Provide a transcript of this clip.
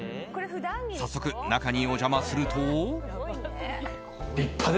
早速、中にお邪魔すると。